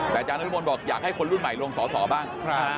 แต่อาจารย์นรมนบอกอยากให้คนรุ่นใหม่ลงสอสอบ้าง